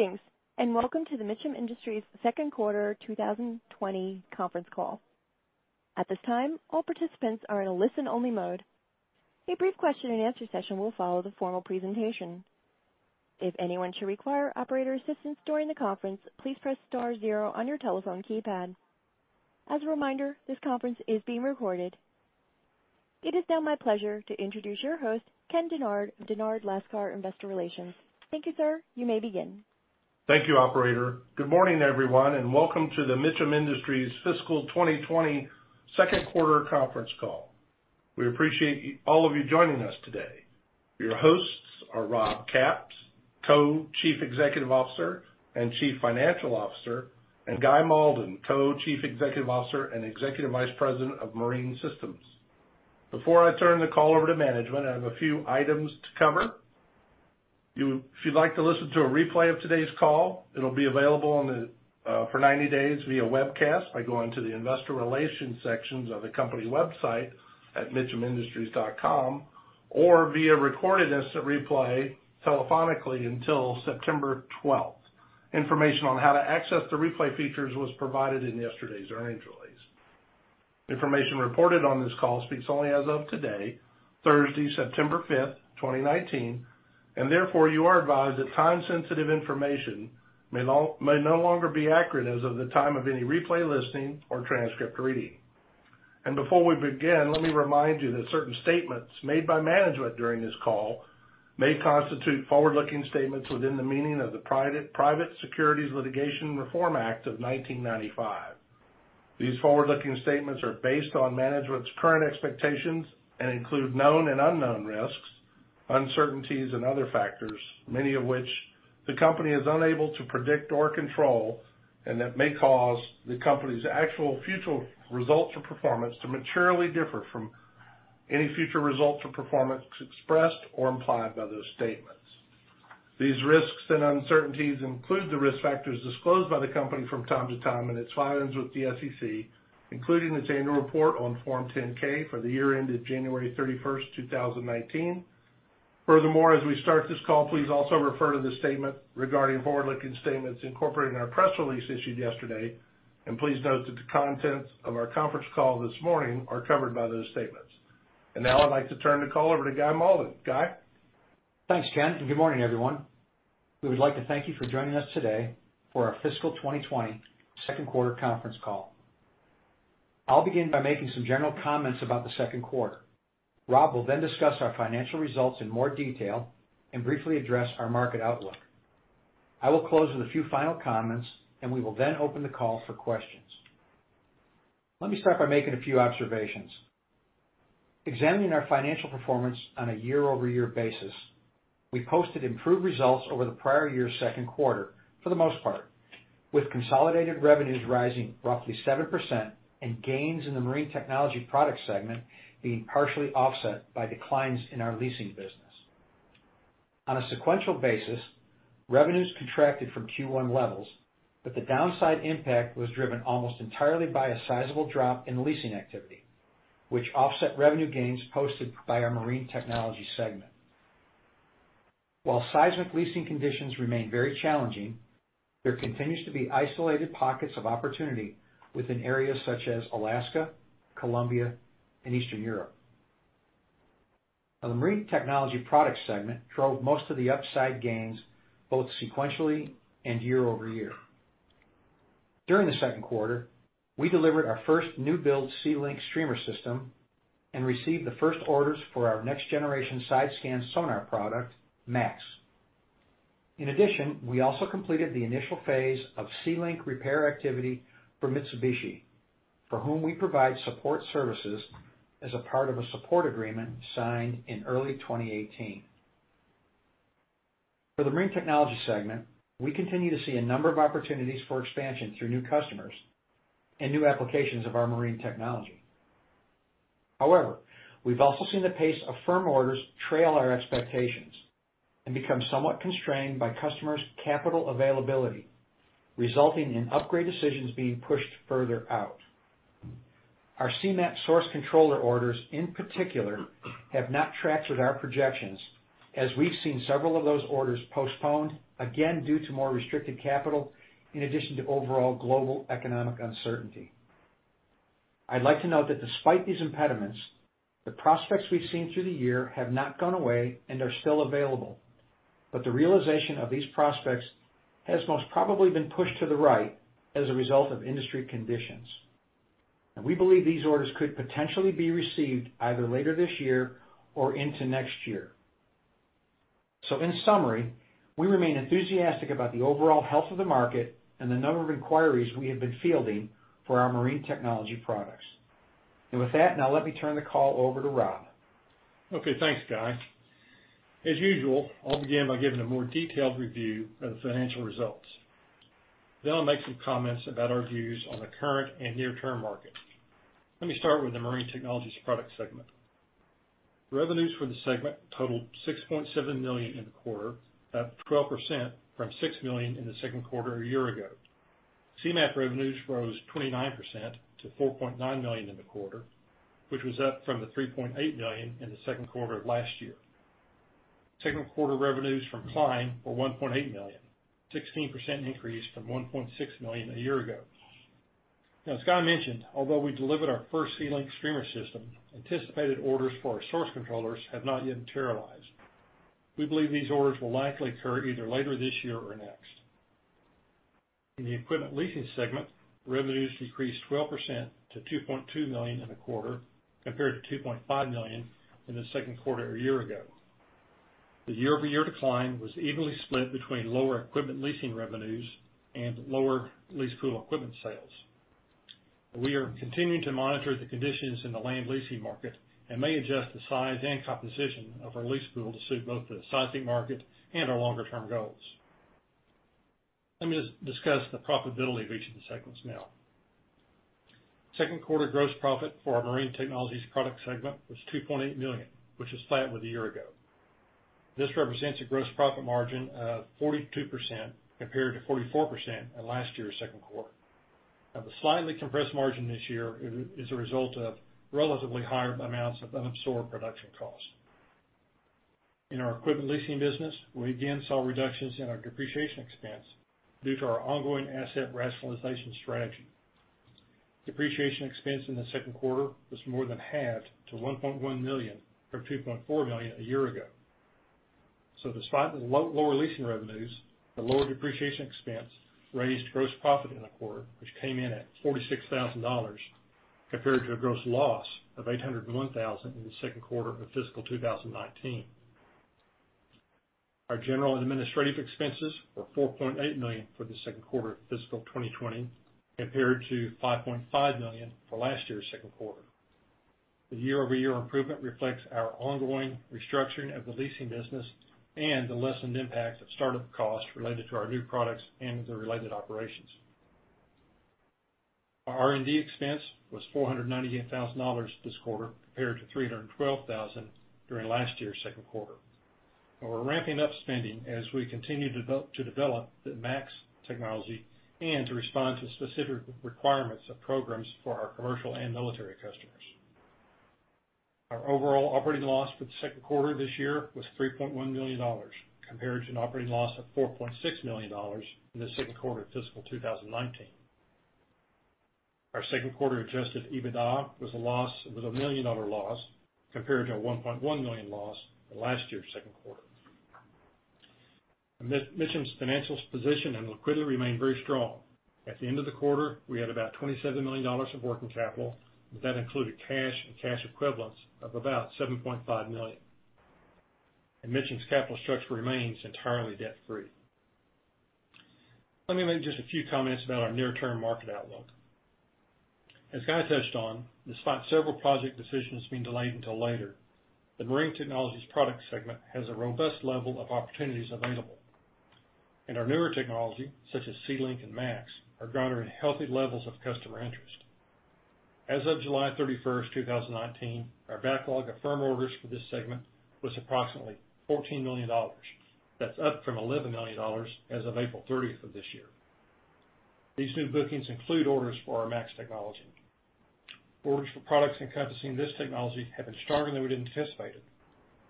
Greetings, welcome to the Mitcham Industries second quarter 2020 conference call. At this time, all participants are in a listen-only mode. A brief question and answer session will follow the formal presentation. If anyone should require operator assistance during the conference, please press star zero on your telephone keypad. As a reminder, this conference is being recorded. It is now my pleasure to introduce your host, Ken Dennard of Dennard Lascar Investor Relations. Thank you, sir. You may begin. Thank you, operator. Good morning, everyone, and welcome to the MIND Technology fiscal 2020 second quarter conference call. We appreciate all of you joining us today. Your hosts are Rob Capps, Co-Chief Executive Officer and Chief Financial Officer, and Guy Malden, Co-Chief Executive Officer and Executive Vice President of Marine Systems. Before I turn the call over to management, I have a few items to cover. If you'd like to listen to a replay of today's call, it'll be available for 90 days via webcast by going to the investor relations sections of the company website at mind-technology.com or via recorded instant replay telephonically until September 12th. Information on how to access the replay features was provided in yesterday's earnings release. Information reported on this call speaks only as of today, Thursday, September fifth, 2019, therefore you are advised that time-sensitive information may no longer be accurate as of the time of any replay listening or transcript reading. Before we begin, let me remind you that certain statements made by management during this call may constitute forward-looking statements within the meaning of the Private Securities Litigation Reform Act of 1995. These forward-looking statements are based on management's current expectations and include known and unknown risks, uncertainties, and other factors, many of which the company is unable to predict or control and that may cause the company's actual future results or performance to materially differ from any future results or performance expressed or implied by those statements. These risks and uncertainties include the risk factors disclosed by the company from time to time in its filings with the SEC, including its annual report on Form 10-K for the year ended January 31st, 2019. Furthermore, as we start this call, please also refer to the statement regarding forward-looking statements incorporated in our press release issued yesterday, and please note that the contents of our conference call this morning are covered by those statements. Now I'd like to turn the call over to Guy Malden. Guy? Thanks, Ken. Good morning, everyone. We would like to thank you for joining us today for our fiscal 2020 second quarter conference call. I'll begin by making some general comments about the second quarter. Rob will then discuss our financial results in more detail and briefly address our market outlook. I will close with a few final comments, and we will then open the call for questions. Let me start by making a few observations. Examining our financial performance on a year-over-year basis, we posted improved results over the prior year's second quarter, for the most part, with consolidated revenues rising roughly 7% and gains in the Marine Technology Products segment being partially offset by declines in our leasing business. On a sequential basis, revenues contracted from Q1 levels, but the downside impact was driven almost entirely by a sizable drop in leasing activity, which offset revenue gains posted by our Marine Technology segment. While seismic leasing conditions remain very challenging, there continues to be isolated pockets of opportunity within areas such as Alaska, Colombia, and Eastern Europe. The Marine Technology Products segment drove most of the upside gains both sequentially and year-over-year. During the second quarter, we delivered our first new build SeaLink streamer system and received the first orders for our next generation side scan sonar product, MA-X. In addition, we also completed the initial phase of SeaLink repair activity for Mitsubishi, for whom we provide support services as a part of a support agreement signed in early 2018. For the Marine Technology segment, we continue to see a number of opportunities for expansion through new customers and new applications of our marine technology. However, we've also seen the pace of firm orders trail our expectations and become somewhat constrained by customers' capital availability, resulting in upgrade decisions being pushed further out. Our Seamap Source controller orders, in particular, have not tracked with our projections, as we've seen several of those orders postponed, again, due to more restricted capital in addition to overall global economic uncertainty. I'd like to note that despite these impediments, the prospects we've seen through the year have not gone away and are still available, the realization of these prospects has most probably been pushed to the right as a result of industry conditions. We believe these orders could potentially be received either later this year or into next year. In summary, we remain enthusiastic about the overall health of the market and the number of inquiries we have been fielding for our Marine Technology Products. With that, now let me turn the call over to Rob. Okay, thanks, Guy. As usual, I'll begin by giving a more detailed review of the financial results. Then I'll make some comments about our views on the current and near-term market. Let me start with the Marine Technology Products segment. Revenues for the segment totaled $6.7 million in the quarter, up 12% from $6 million in the second quarter a year ago. Seamap revenues rose 29% to $4.9 million in the quarter, which was up from the $3.8 million in the second quarter of last year. Second quarter revenues from Klein were $1.8 million, a 16% increase from $1.6 million a year ago. As Guy mentioned, although we delivered our first SeaLink streamer system, anticipated orders for our source controllers have not yet materialized. We believe these orders will likely occur either later this year or next. In the equipment leasing segment, revenues decreased 12% to $2.2 million in the quarter, compared to $2.5 million in the second quarter a year ago. The year-over-year decline was evenly split between lower equipment leasing revenues and lower lease pool equipment sales. We are continuing to monitor the conditions in the land leasing market and may adjust the size and composition of our lease pool to suit both the sizing market and our longer-term goals. Let me discuss the profitability of each of the segments now. Second quarter gross profit for our Marine Technology Products segment was $2.8 million, which is flat with a year ago. This represents a gross profit margin of 42% compared to 44% in last year's second quarter. Now, the slightly compressed margin this year is a result of relatively higher amounts of unabsorbed production costs. In our equipment leasing business, we again saw reductions in our depreciation expense due to our ongoing asset rationalization strategy. Depreciation expense in the second quarter was more than halved to $1.1 million from $2.4 million a year ago. Despite lower leasing revenues, the lower depreciation expense raised gross profit in the quarter, which came in at $46,000, compared to a gross loss of $801,000 in the second quarter of fiscal 2019. Our general and administrative expenses were $4.8 million for the second quarter of fiscal 2020, compared to $5.5 million for last year's second quarter. The year-over-year improvement reflects our ongoing restructuring of the leasing business and the lessened impact of startup costs related to our new products and the related operations. Our R&D expense was $498,000 this quarter, compared to $312,000 during last year's second quarter. We're ramping up spending as we continue to develop the MA-X technology and to respond to specific requirements of programs for our commercial and military customers. Our overall operating loss for the second quarter this year was $3.1 million, compared to an operating loss of $4.6 million in the second quarter of fiscal 2019. Our second quarter adjusted EBITDA was a million-dollar loss, compared to a $1.1 million loss in last year's second quarter. MIND's financial position and liquidity remain very strong. At the end of the quarter, we had about $27 million of working capital. That included cash and cash equivalents of about $7.5 million. MIND's capital structure remains entirely debt-free. Let me make just a few comments about our near-term market outlook. As Guy touched on, despite several project decisions being delayed until later, the Marine Technology Products segment has a robust level of opportunities available. Our newer technology, such as SeaLink and MA-X, are garnering healthy levels of customer interest. As of July 31st, 2019, our backlog of firm orders for this segment was approximately $14 million. That's up from $11 million as of April 30th of this year. These new bookings include orders for our MA-X technology. Orders for products encompassing this technology have been stronger than we'd anticipated,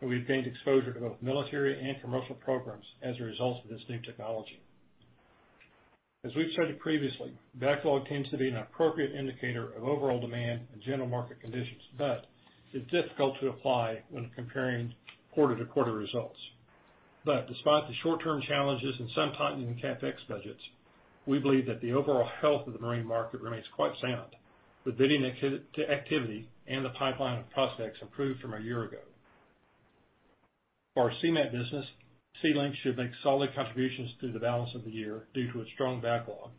and we've gained exposure to both military and commercial programs as a result of this new technology. Despite the short-term challenges and some tightening in CapEx budgets, we believe that the overall health of the marine market remains quite sound, with bidding activity and the pipeline of prospects improved from a year ago. For our Seamap business, SeaLink should make solid contributions through the balance of the year due to its strong backlog,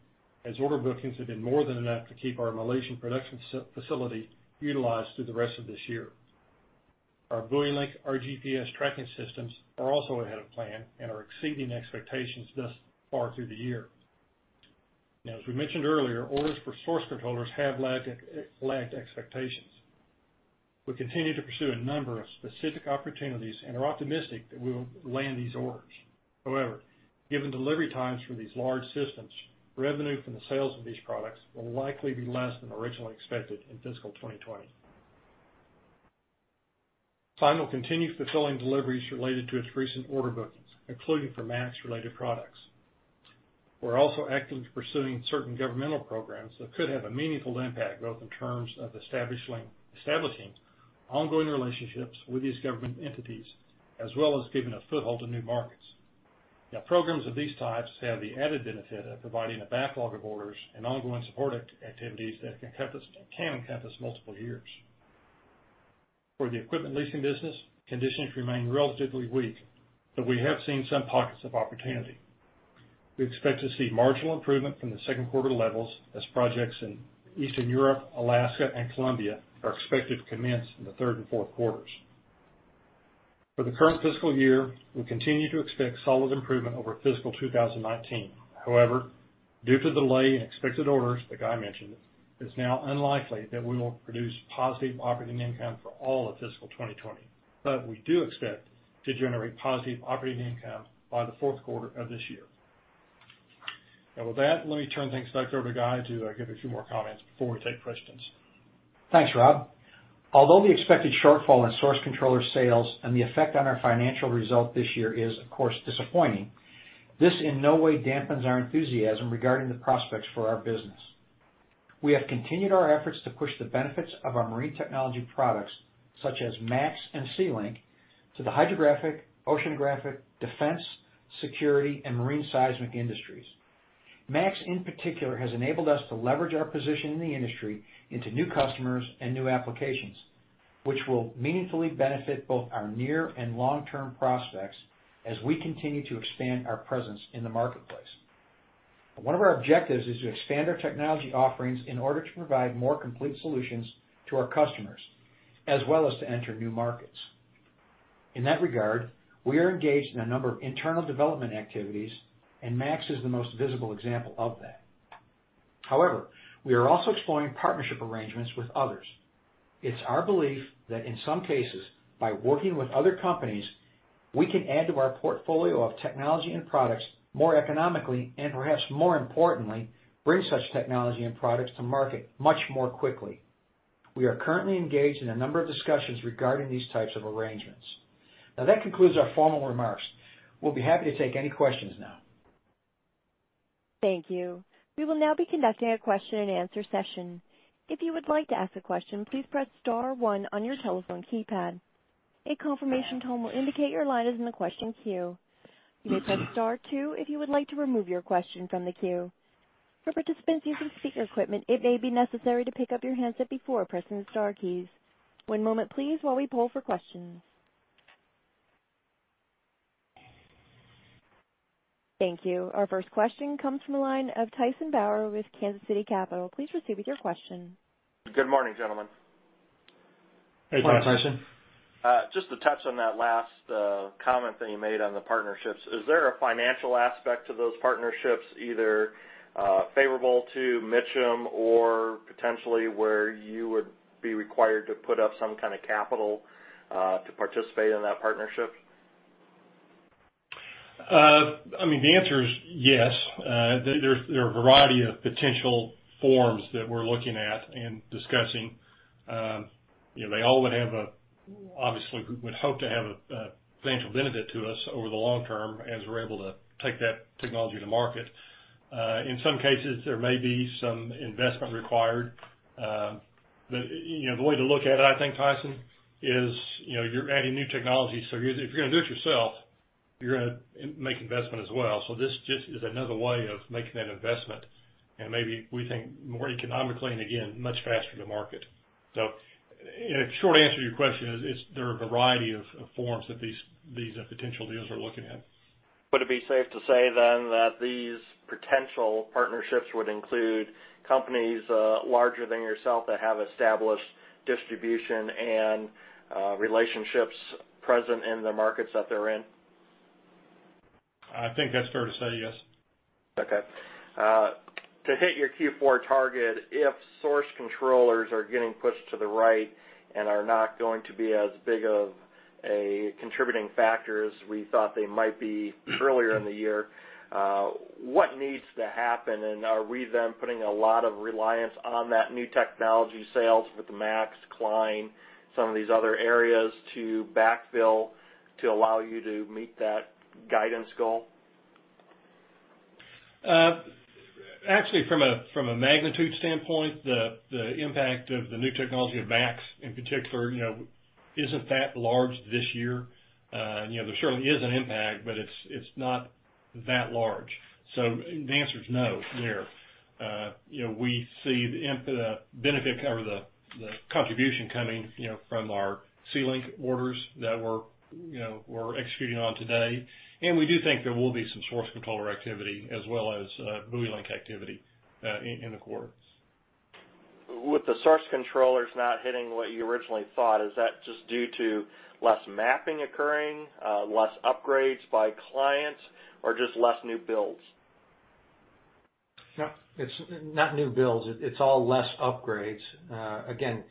as order bookings have been more than enough to keep our Malaysian production facility utilized through the rest of this year. Our BuoyLink RGPS tracking systems are also ahead of plan and are exceeding expectations thus far through the year. As we mentioned earlier, orders for source controllers have lagged expectations. We continue to pursue a number of specific opportunities and are optimistic that we will land these orders. However, given delivery times for these large systems, revenue from the sales of these products will likely be less than originally expected in fiscal 2020. Klein will continue fulfilling deliveries related to its recent order bookings, including for MA-X-related products. We're also actively pursuing certain governmental programs that could have a meaningful impact, both in terms of establishing ongoing relationships with these government entities, as well as gaining a foothold in new markets. Programs of these types have the added benefit of providing a backlog of orders and ongoing support activities that can encompass multiple years. For the equipment leasing business, conditions remain relatively weak, but we have seen some pockets of opportunity. We expect to see marginal improvement from the second quarter levels as projects in Eastern Europe, Alaska, and Colombia are expected to commence in the third and fourth quarters. For the current fiscal year, we continue to expect solid improvement over fiscal 2019. Due to the delay in expected orders that Guy mentioned, it's now unlikely that we will produce positive operating income for all of fiscal 2020. We do expect to generate positive operating income by the fourth quarter of this year. With that, let me turn things back over to Guy to give a few more comments before we take questions. Thanks, Rob. Although the expected shortfall in source controller sales and the effect on our financial result this year is, of course, disappointing, this in no way dampens our enthusiasm regarding the prospects for our business. We have continued our efforts to push the benefits of our Marine Technology Products, such as MA-X and SeaLink, to the hydrographic, oceanographic, defense, security, and marine seismic industries. MA-X, in particular, has enabled us to leverage our position in the industry into new customers and new applications, which will meaningfully benefit both our near and long-term prospects as we continue to expand our presence in the marketplace. One of our objectives is to expand our technology offerings in order to provide more complete solutions to our customers, as well as to enter new markets. In that regard, we are engaged in a number of internal development activities, and MA-X is the most visible example of that. However, we are also exploring partnership arrangements with others. It's our belief that in some cases, by working with other companies, we can add to our portfolio of technology and products more economically, and perhaps more importantly, bring such technology and products to market much more quickly. We are currently engaged in a number of discussions regarding these types of arrangements. Now, that concludes our formal remarks. We'll be happy to take any questions now. Thank you. We will now be conducting a question and answer session. If you would like to ask a question, please press star one on your telephone keypad. A confirmation tone will indicate your line is in the question queue. You may press star two if you would like to remove your question from the queue. For participants using speaker equipment, it may be necessary to pick up your handset before pressing the star keys. One moment, please, while we poll for questions. Thank you. Our first question comes from the line of Tyson Bauer with Kansas City Capital. Please proceed with your question. Good morning, gentlemen. Hey, Tyson. Morning, Tyson. Just to touch on that last comment that you made on the partnerships, is there a financial aspect to those partnerships, either favorable to MIND or potentially where you would be required to put up some kind of capital to participate in that partnership? The answer is yes. There are a variety of potential forms that we're looking at and discussing. Obviously, we would hope to have a financial benefit to us over the long term as we're able to take that technology to market. In some cases, there may be some investment required. The way to look at it, I think, Tyson, is you're adding new technology. If you're going to do it yourself, you're going to make investment as well. This just is another way of making that investment, and maybe we think more economically, and again, much faster to market. The short answer to your question is there are a variety of forms that these potential deals are looking at. Would it be safe to say then that these potential partnerships would include companies larger than yourself that have established distribution and relationships present in the markets that they're in? I think that's fair to say, yes. Okay. To hit your Q4 target, if source controllers are getting pushed to the right and are not going to be as big of a contributing factor as we thought they might be earlier in the year, what needs to happen? Are we then putting a lot of reliance on that new technology sales with the MA-X, Klein, some of these other areas to backfill to allow you to meet that guidance goal? Actually, from a magnitude standpoint, the impact of the new technology of MA-X in particular isn't that large this year. There certainly is an impact, but it's not that large. The answer is no there. We see the benefit or the contribution coming from our SeaLink orders that we're executing on today. We do think there will be some source controller activity as well as BuoyLink activity in the quarters. With the source controllers not hitting what you originally thought, is that just due to less mapping occurring, less upgrades by clients, or just less new builds? No, it's not new builds. It's all less upgrades. Again,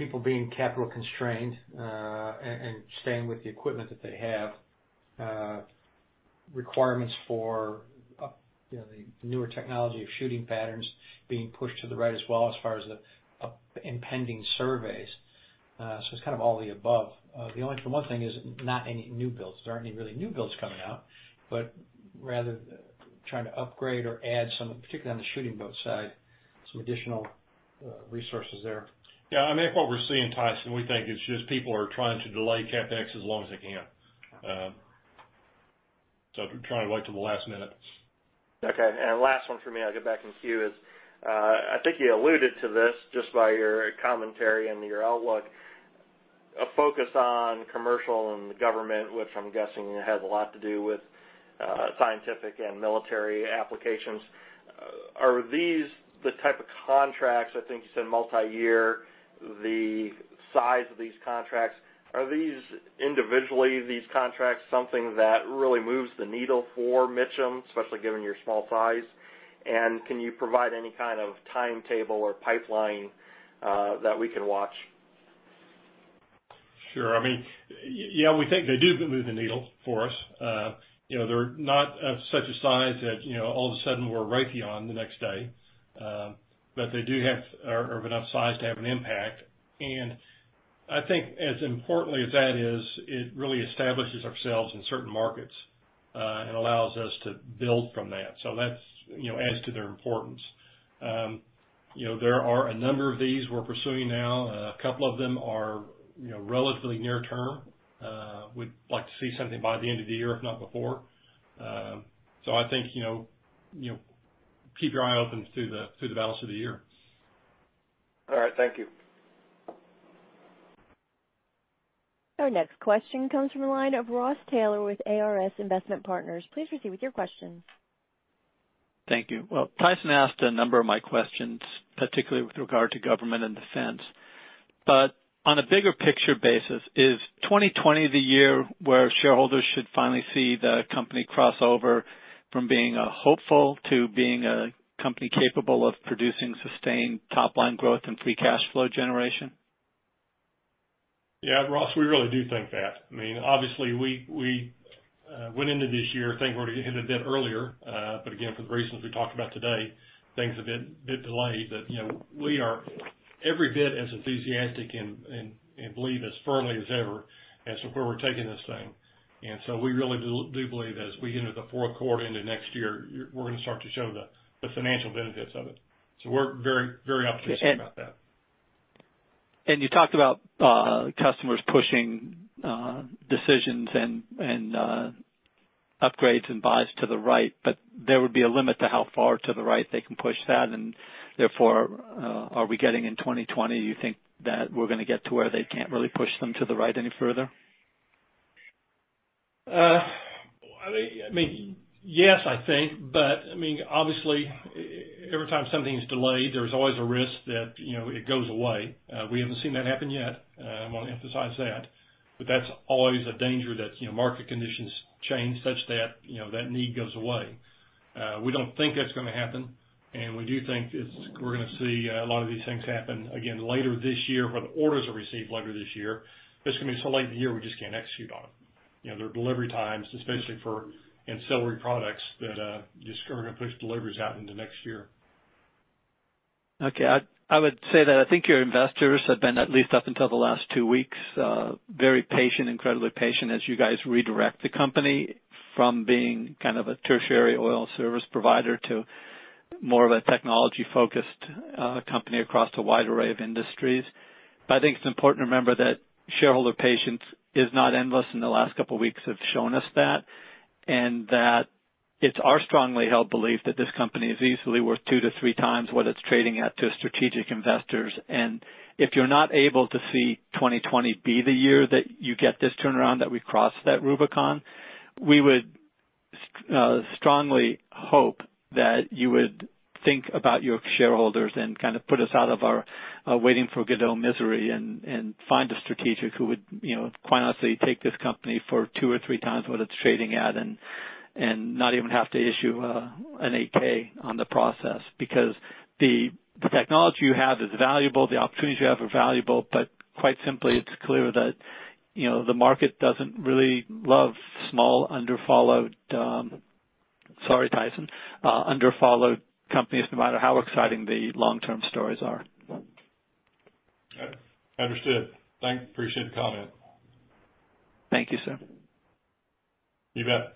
people being capital constrained and staying with the equipment that they have. Requirements for the newer technology of shooting patterns being pushed to the right as well as far as the impending surveys. It's kind of all the above. The one thing is not any new builds. There aren't any really new builds coming out, but rather trying to upgrade or add some, particularly on the shooting boat side, some additional resources there. Yeah, I think what we're seeing, Tyson, we think it's just people are trying to delay CapEx as long as they can, trying to wait till the last minute. Okay. Last one from me, I'll get back in queue, is I think you alluded to this just by your commentary and your outlook, a focus on commercial and the government, which I'm guessing has a lot to do with scientific and military applications. Are these the type of contracts, I think you said multi-year, the size of these contracts, are these individually, these contracts, something that really moves the needle for MIND Technology, especially given your small size? Can you provide any kind of timetable or pipeline that we can watch? Sure. We think they do move the needle for us. They're not of such a size that all of a sudden we're Raytheon the next day, but they are of enough size to have an impact. I think as importantly as that is, it really establishes ourselves in certain markets, and allows us to build from that. That adds to their importance. There are a number of these we're pursuing now. A couple of them are relatively near-term. We'd like to see something by the end of the year, if not before. I think, keep your eye open through the balance of the year. All right. Thank you. Our next question comes from the line of Ross Taylor with ARS Investment Partners. Please proceed with your question. Thank you. Well, Tyson asked a number of my questions, particularly with regard to government and defense. On a bigger picture basis, is 2020 the year where shareholders should finally see the company cross over from being a hopeful to being a company capable of producing sustained top-line growth and free cash flow generation? Yeah. Ross, we really do think that. Obviously, we went into this year thinking we're going to hit a bit earlier. Again, for the reasons we talked about today, things have been a bit delayed. We are every bit as enthusiastic and believe as firmly as ever as to where we're taking this thing. We really do believe as we get into the fourth quarter into next year, we're going to start to show the financial benefits of it. We're very optimistic about that. You talked about customers pushing decisions and upgrades and buys to the right. There would be a limit to how far to the right they can push that. Therefore, are we getting in 2020, you think that we're going to get to where they can't really push them to the right any further? Yes, I think. Obviously, every time something's delayed, there's always a risk that it goes away. We haven't seen that happen yet. I want to emphasize that. That's always a danger that market conditions change such that need goes away. We don't think that's going to happen, and we do think we're going to see a lot of these things happen again later this year, where the orders are received later this year, but it's going to be so late in the year, we just can't execute on them. There are delivery times, especially for ancillary products that are just going to push deliveries out into next year. Okay. I would say that I think your investors have been, at least up until the last two weeks, very patient, incredibly patient as you guys redirect the company from being kind of a tertiary oil service provider to more of a technology-focused company across a wide array of industries. I think it's important to remember that shareholder patience is not endless, and the last couple of weeks have shown us that, and that it's our strongly held belief that this company is easily worth two to three times what it's trading at to strategic investors. If you're not able to see 2020 be the year that you get this turnaround, that we've crossed that Rubicon, we would strongly hope that you would think about your shareholders and kind of put us out of our waiting for Godot misery and find a strategic who would, quite honestly, take this company for two or three times what it's trading at and not even have to issue an 8-K on the process. The technology you have is valuable, the opportunities you have are valuable, but quite simply, it's clear that the market doesn't really love small, under-followed, sorry, Tyson, under-followed companies, no matter how exciting the long-term stories are. Understood. Thanks. Appreciate the comment. Thank you, sir. You bet.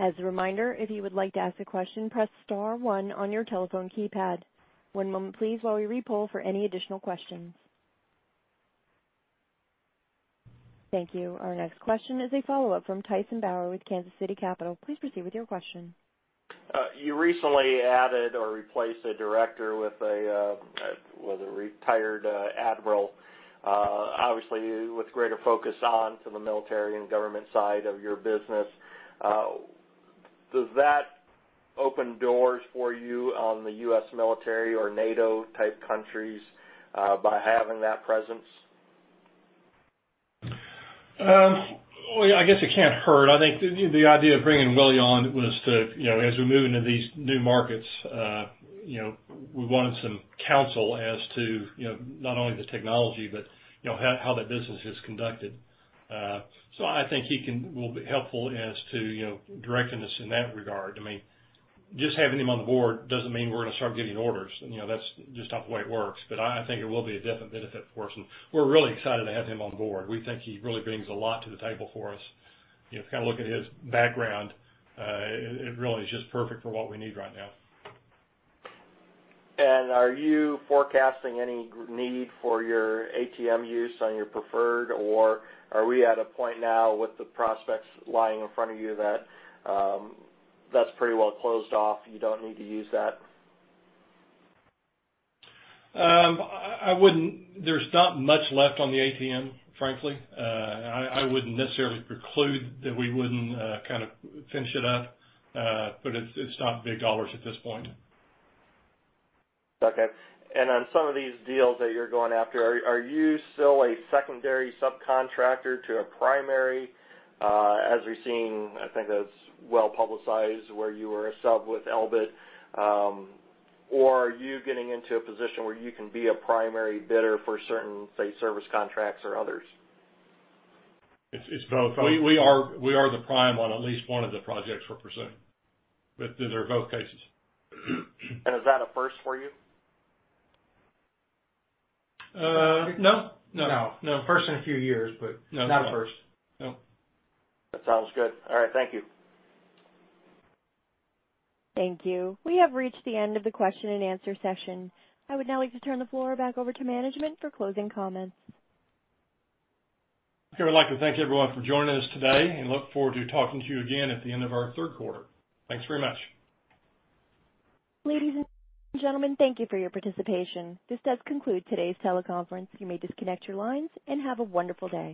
As a reminder, if you would like to ask a question, press star one on your telephone keypad. One moment please while we re-poll for any additional questions. Thank you. Our next question is a follow-up from Tyson Bauer with Kansas City Capital. Please proceed with your question. You recently added or replaced a director with a retired admiral. Obviously, with greater focus on to the military and government side of your business. Does that open doors for you on the U.S. military or NATO-type countries by having that presence? I guess it can't hurt. I think the idea of bringing Will on was to, as we move into these new markets, we wanted some counsel as to not only the technology, but how that business is conducted. I think he will be helpful as to directing us in that regard. Just having him on the board doesn't mean we're going to start giving orders. That's just not the way it works. I think it will be a definite benefit for us, and we're really excited to have him on board. We think he really brings a lot to the table for us. If you look at his background, it really is just perfect for what we need right now. Are you forecasting any need for your ATM use on your preferred, or are we at a point now with the prospects lying in front of you that that's pretty well closed off, you don't need to use that? There's not much left on the ATM, frankly. I wouldn't necessarily preclude that we wouldn't finish it up. It's not big dollars at this point. Okay. On some of these deals that you're going after, are you still a secondary subcontractor to a primary? As we've seen, I think that's well-publicized, where you were a sub with Elbit. Or are you getting into a position where you can be a primary bidder for certain, say, service contracts or others? It's both. We are the prime on at least one of the projects we're pursuing. These are both cases. Is that a first for you? No. No. First in a few years, but not a first. No. That sounds good. All right. Thank you. Thank you. We have reached the end of the question and answer session. I would now like to turn the floor back over to management for closing comments. Okay. I'd like to thank everyone for joining us today and look forward to talking to you again at the end of our third quarter. Thanks very much. Ladies and gentlemen, thank you for your participation. This does conclude today's teleconference. You may disconnect your lines and have a wonderful day.